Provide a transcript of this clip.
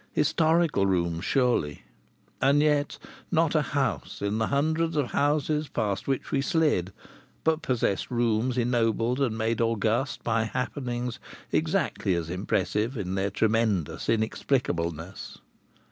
Historical rooms, surely! And yet not a house in the hundreds of houses past which we slid but possessed rooms ennobled and made august by happenings exactly as impressive in their tremendous inexplicableness.